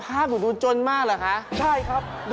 อ้าวอีกหน่อยครับ